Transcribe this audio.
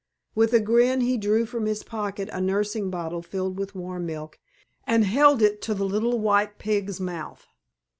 With a grin he drew from his pocket a nursing bottle filled with warm milk and held it to the little white pig's mouth.